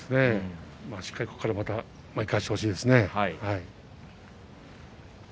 しっかり、ここから巻き返してほしいですね。